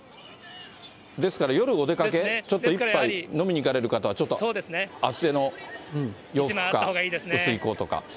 ですから夜、お出かけ、ちょっと一杯飲みに行かれる方はちょっと厚手の洋服か薄いコート化。